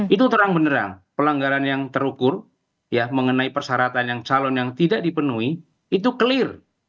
itu terang benerang pelanggaran yang terukur mengenai persyaratan yang calon yang tidak dipenuhi itu clear